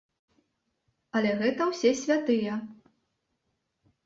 Але гэта ўсе святыя.